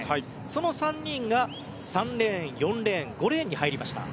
その３人が３レーン、４レーン５レーンに入りました。